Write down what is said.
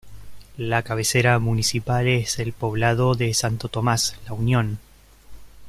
La cabecera municipal es el poblado de Santo Tomás La Unión.